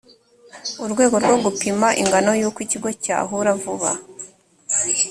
urwego rwo gupima ingano y’uko ikigo cyahura vuba